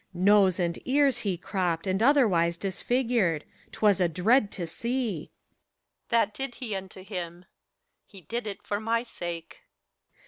Nose and ears he cropped, And otherwise disfigured : 't was a dread to see. HELENA. That did he unto him : he did it for my sake.